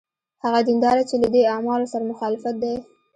هغه دینداره چې له دې اعمالو سره مخالف دی.